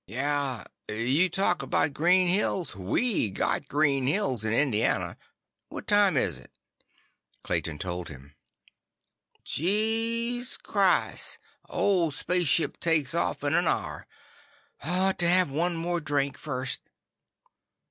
"Yeah. You talk about green hills, we got green hills in Indiana. What time is it?" Clayton told him. "Jeez krise! Ol' spaship takes off in an hour. Ought to have one more drink first."